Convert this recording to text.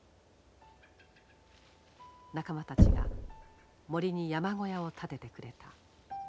仲間たちが森に山小屋を建ててくれた。